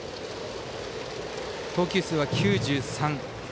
投球数は９３。